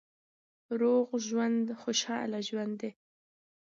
روغ ژوند خوشاله ژوند دی.